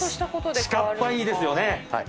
ちかっぱいいですよね。